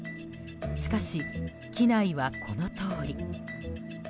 しかし、機内はこのとおり。